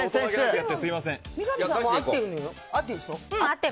三上さんも合ってるでしょ？